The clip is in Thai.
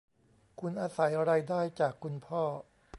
คุณอาศัยรายได้จากคุณพ่อ